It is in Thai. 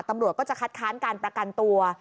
ตำรวจก็จะคัดค้านการประกันตัว